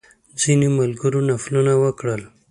ځینو ملګرو نفلونه وکړل.